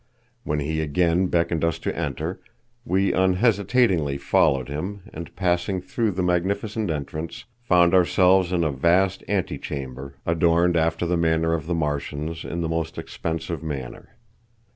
When he again beckoned us to enter, we unhesitatingly followed him, and, passing through the magnificent entrance, found ourselves in a vast ante chamber, adorned after the manner of the Martians in the most expensive manner.